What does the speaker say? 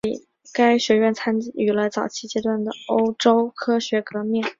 该学院参与了早期阶段的欧洲科学革命。